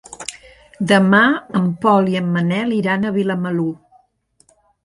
Demà en Pol i en Manel iran a Vilamalur.